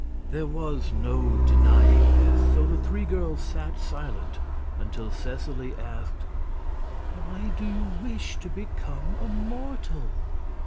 There was no denying this, so the three girls sat silent until Seseley asked: "Why do you wish to become a mortal?"